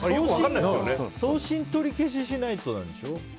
送信取り消ししないとなんでしょ？